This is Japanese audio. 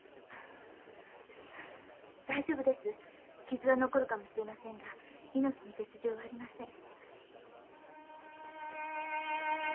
傷は残るかもしれませんが命に別条はありません。